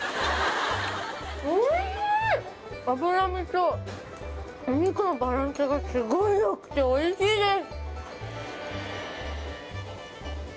脂身とお肉のバランスがすごいよくて美味しいです